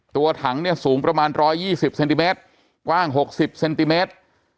ตัวถังเนี่ยสูงประมาณ๑๒๐เซนติเมตรกว้าง๖๐เซนติเมตร